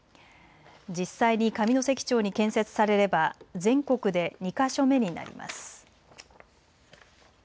実際に上関町に建設されれば全国で２か所目になります。